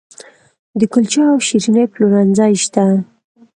د کلچو او شیریني پلورنځي شته